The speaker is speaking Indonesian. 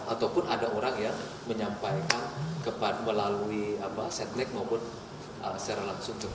ataupun ada orang yang menyampaikan melalui setnek maupun secara langsung